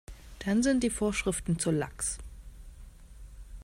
Dann sind die Vorschriften zu lax.